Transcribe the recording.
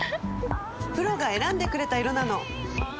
プロが選んでくれた色なの！